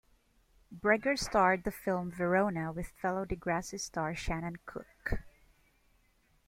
Bregar starred the film "Verona" with fellow Degrassi star Shannon Kook.